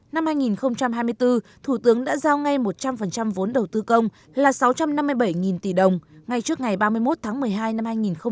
năm hai nghìn hai mươi bốn thủ tướng đã giao ngay một trăm linh vốn đầu tư công là sáu trăm năm mươi bảy tỷ đồng ngay trước ngày ba mươi một tháng một mươi hai năm hai nghìn hai mươi ba